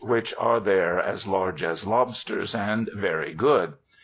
which are there as lai^e as lobsters and very good.